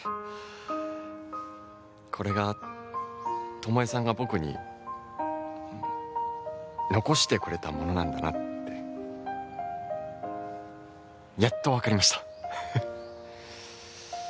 これが巴さんが僕に残してくれたものなんだなってやっとわかりました。